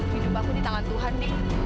hidup aku di tangan tuhan deh